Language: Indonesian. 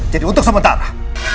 jadi untuk sementara